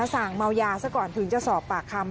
สั่งเมายาซะก่อนถึงจะสอบปากคำ